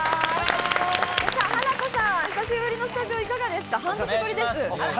ハナコさん、久しぶりのスタジオいかがですか？